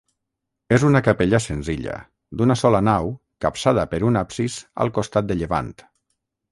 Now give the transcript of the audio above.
És una capella senzilla, d'una sola nau capçada per un absis al costat de llevant.